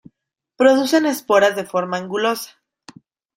Producen esporas de forma angulosa.